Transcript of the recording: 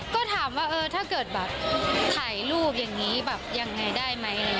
ก็ถามถ้าเกิดถ่ายรูปอย่างนี้อย่างไรได้ไหม